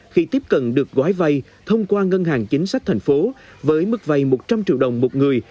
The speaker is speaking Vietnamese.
khi tiếp cận được gói vay thông qua ngân hàng chính sách thành phố với mức vay một trăm linh triệu đồng một người